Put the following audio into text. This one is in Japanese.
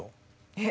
えっ？